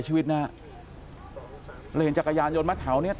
ชีวิตนะฮะแล้วเห็นจักรยานยนต์มาแถวเนี้ย